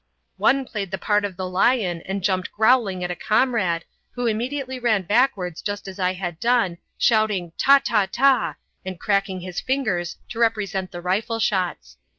One played the part of the lion and jumped growling at a comrade, who immediately ran backwards just as I had done, shouting "Ta, Ta, Ta" and cracking his fingers to represent the rifle shots.